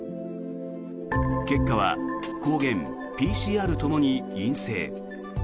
結果は抗原、ＰＣＲともに陰性。